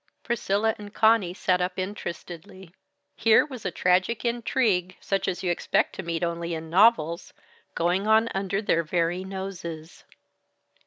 Priscilla and Conny sat up interestedly. Here was a tragic intrigue, such as you expect to meet only in novels, going on under their very noses.